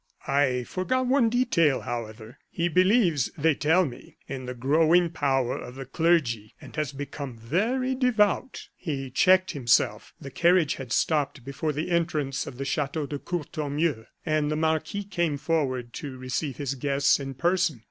I forgot one detail, however, he believes, they tell me, in the growing power of the clergy, and has become very devout." He checked himself; the carriage had stopped before the entrance of the Chateau de Courtornieu, and the marquis came forward to receive his guests in person.